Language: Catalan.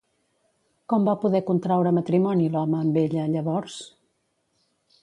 Com va poder contraure matrimoni l'home amb ella, llavors?